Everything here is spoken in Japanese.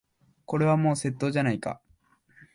これはもう窃盗じゃないか。